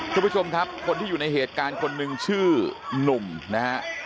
คุณผู้ชมครับคนที่อยู่ในเหตุการณ์คนหนึ่งชื่อหนุ่มนะฮะ